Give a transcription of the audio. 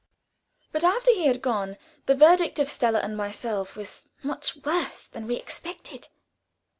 But after he had gone, the verdict of Stella and myself was, "Much worse than we expected."